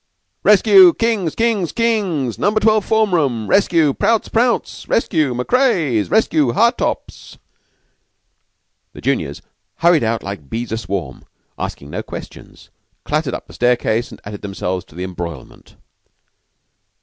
"Rescue, Kings! Kings! Kings! Number Twelve form room! Rescue, Prouts Prouts! Rescue, Macreas! Rescue, Hartopps!" The juniors hurried out like bees aswarm, asking no questions, clattered up the staircase, and added themselves to the embroilment.